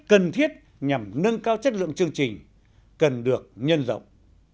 cần thiết nhằm nâng cao chất lượng chương trình cần được nhân rộng